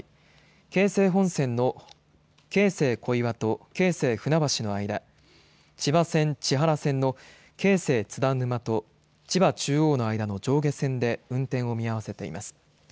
京成本線の京成小岩と京成船橋の間千葉線・千原線の京成津田沼と千葉中央の間の上下線で運転を見合わせています。